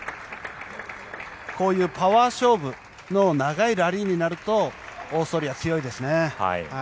こういうパワー勝負の長いラリーになるとオーストリアは強いですね。